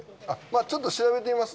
ちょっと調べてみます